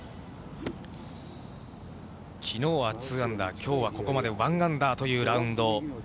きのうは２アンダー、きょうはここまで１アンダーというラウンド。